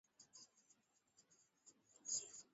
ambazo zingine naweza nizifurahie akaruhusu ziendelee katika